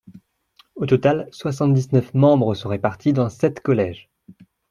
Au total, soixante-dix-neuf membres sont répartis dans sept collèges.